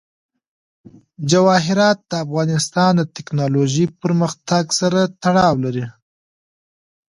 جواهرات د افغانستان د تکنالوژۍ پرمختګ سره تړاو لري.